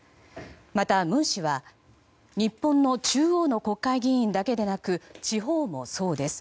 また、文氏は日本の中央の国会議員だけでなく地方もそうです。